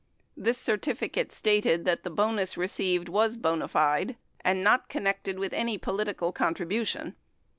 This certificate stated that the bonus received was bona fide and not connected with any political contribu tion.